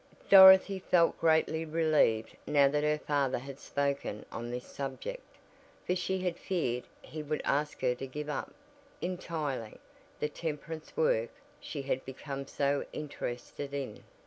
Dorothy felt greatly relieved now that her father had spoken on this subject, for she had feared he would ask her to give up, entirely, the temperance work she had become so interested in.